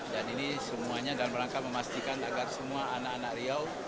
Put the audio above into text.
ini semuanya dalam rangka memastikan agar semua anak anak riau